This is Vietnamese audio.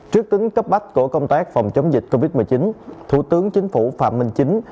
trước tính cấp bách của công tác phòng chống dịch covid một mươi chín thủ tướng chính phủ phạm minh chính